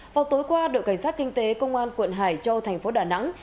vào tối qua đội cảnh sát kinh tế công an quận hải châu thành phố đà nẵng